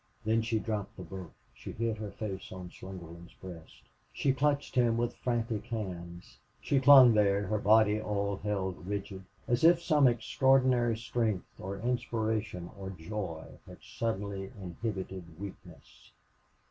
Then she dropped the book. She hid her face on Slingerland's breast. She clutched him with frantic hands. She clung there, her body all held rigid, as if some extraordinary strength or inspiration or joy had suddenly inhibited weakness.